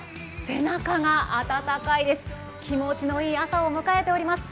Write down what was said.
背中が暖かいです、気持ちのよい朝を迎えています。